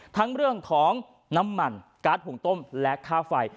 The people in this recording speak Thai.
ทั้งเรื่องของน้ำมันการ์ดหุงต้มและค่าไฟ